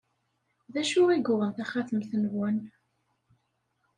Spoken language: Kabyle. D acu i yuɣen taxatemt-nwen?